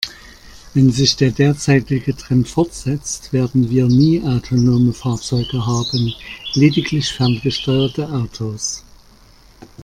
Wenn sich der derzeitige Trend fortsetzt, werden wir nie autonome Fahrzeuge haben, lediglich ferngesteuerte Autos.